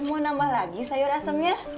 mau nambah lagi sayur asemnya